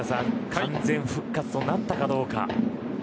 完全復活となったかどうか。